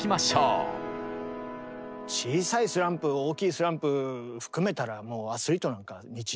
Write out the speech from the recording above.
小さいスランプ大きいスランプ含めたらもうアスリートなんか日常でしょ？